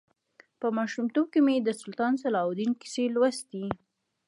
په ماشومتوب کې مې د سلطان صلاح الدین کیسې لوستې.